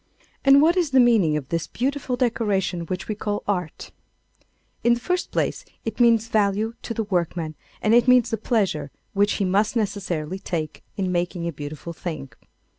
And what is the meaning of this beautiful decoration which we call art? In the first place, it means value to the workman and it means the pleasure which he must necessarily take in making a beautiful thing.